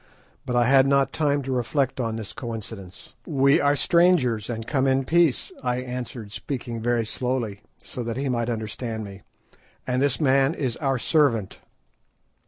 But I had not time to reflect on this coincidence. "We are strangers, and come in peace," I answered, speaking very slowly, so that he might understand me, "and this man is our servant."